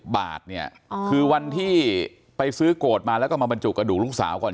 ๒๙๐บาทคือวันที่ไปซื้อกดมาแล้วก็มาบรรจุกระดูกลูกสาวก่อน